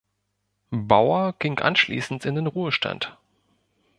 Bauer ging anschließend in den Ruhestand.